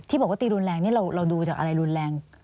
บอกว่าตีรุนแรงนี่เราดูจากอะไรรุนแรง